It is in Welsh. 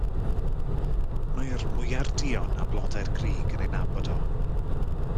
Mae'r mwyar duon a blodau'r grug yn ei nabod o.